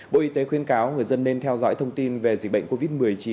bộ y tế khuyên cáo người dân nên theo dõi thông tin về dịch bệnh covid một mươi chín